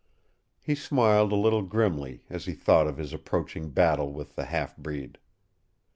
He smiled a little grimly as he thought of his approaching battle with the half breed.